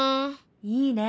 いいね。